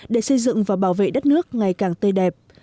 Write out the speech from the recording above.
để xây dựng và bảo vệ đất nước ngày càng tươi đẹp